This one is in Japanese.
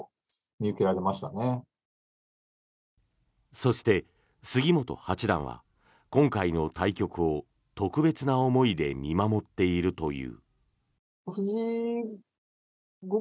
そして、杉本八段は今回の対局を特別な思いで見守っているという。